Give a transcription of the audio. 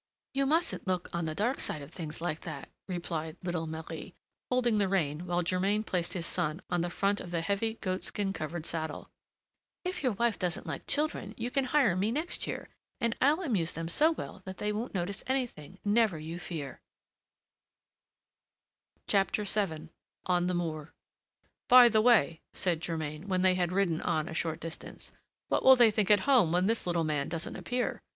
"] "You mustn't look on the dark side of things like that," replied little Marie, holding the rein while Germain placed his son on the front of the heavy goat skin covered saddle; "if your wife doesn't like children, you can hire me next year, and I'll amuse them so well that they won't notice anything, never you fear." VII ON THE MOOR "By the way," said Germain, when they had ridden on a short distance, "what will they think at home when this little man doesn't appear?